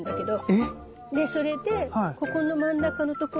え⁉でそれでここの真ん中のところ。